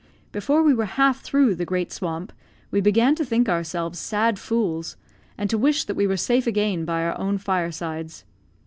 Before we were half through the great swamp, we began to think ourselves sad fools, and to wish that we were safe again by our own firesides.